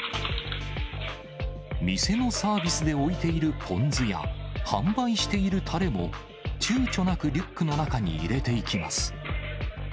店のサービスで置いているポン酢や、販売しているたれも、ちゅうちょなくリュックの中に入れていきます。